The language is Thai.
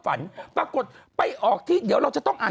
อุ๊ยเหรอ